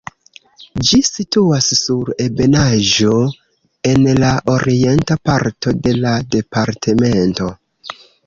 Ĝi situas sur ebenaĵo en la orienta parto de la departemento.